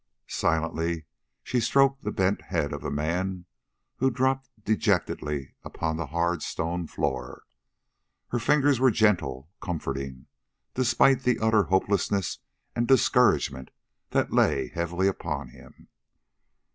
Silently she stroked the bent head of the man who dropped dejectedly upon the hard stone floor. Her fingers were gentle, comforting, despite the utter hopelessness and discouragement that lay heavily upon him.